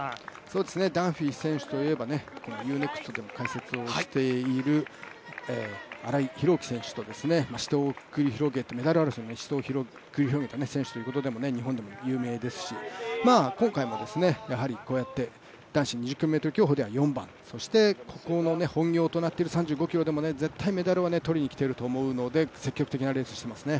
ダンフィー選手といえばＵ−ＮＥＸＴでも解説をしている荒井選手とメダル争いの死闘を繰り広げた選手としても有名ですし、今年の男子２０ｋｍ競歩では４番そして本業となっている３５ｋｍでも絶対メダルは取りに来ていると思うので積極的なレースをしていますね。